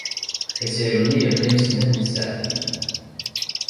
Asaru-nni yeqqim snat n tsaɛtin.